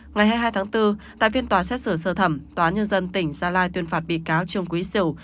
ngày hai mươi hai tháng bốn tại phiên tòa xét xử sơ thẩm tòa nhân dân tỉnh gia lai tuyên phạt bị cáo trương quý xìu